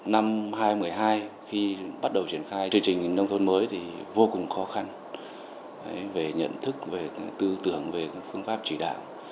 năm hai nghìn một mươi hai khi bắt đầu triển khai chương trình nông thôn mới thì vô cùng khó khăn về nhận thức về tư tưởng về phương pháp chỉ đạo